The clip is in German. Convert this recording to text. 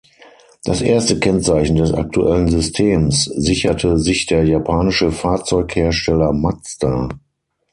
Das erste Kennzeichen des aktuellen Systems sicherte sich der japanische Fahrzeughersteller Mazda.